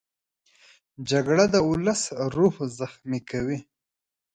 جګړه د ولس روح زخمي کوي